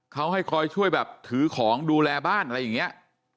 เขาให้คอยช่วยแบบถือของดูแลบ้านอะไรอย่างนี้